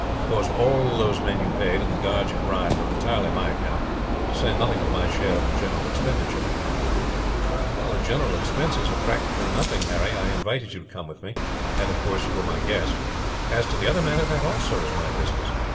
Of course, all those men you paid, and the guards you bribed, are entirely my account; to say nothing of my share of the general expenditure." "The general expenses are practically nothing, Harry. I invited you to come with me and, of course, you were my guest. As to the other matter, that also is my business.